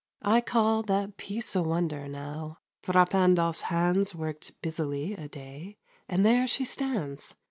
I call That piece a wonder, now: Fra Pandolf's hands Worked busily a day, and there she stands.